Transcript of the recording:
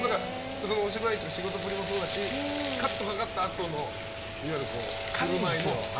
お芝居とか仕事ぶりもそうだしカットかかったあとの振る舞いも？